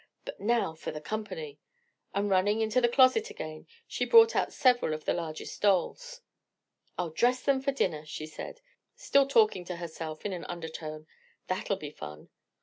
But now for the company!" and running into the closet again, she brought out several of the largest dolls. "I'll dress them for dinner," she said, still talking to herself in an undertone: "that'll be fun.